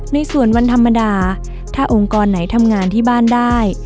ในส่วนวันธรรมดาถ้าองค์กรไหนทำงานที่บ้านได้